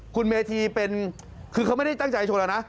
คุณเมธีเป็นคือเขาไม่ได้ตั้งใจชนแล้วนะ